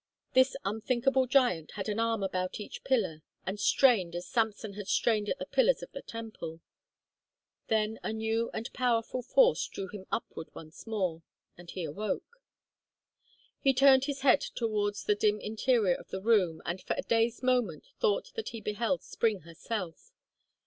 This unthinkable giant had an arm about each pillar and strained as Samson had strained at the pillars of the temple. Then a new and powerful force drew him upward once more, and he awoke. He turned his head towards the dim interior of the room and for a dazed moment thought that he beheld Spring herself.